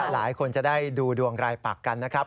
หลายคนจะได้ดูดวงรายปักกันนะครับ